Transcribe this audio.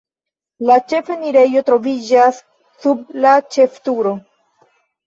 La ĉefenirejo troviĝas sub la ĉefturo.